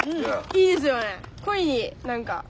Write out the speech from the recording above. いいですよね。